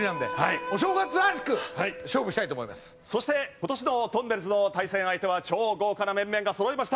そして今年のとんねるずの対戦相手は超豪華な面々がそろいました。